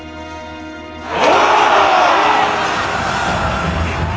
お！